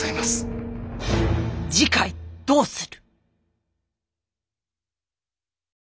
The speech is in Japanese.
次回どうする。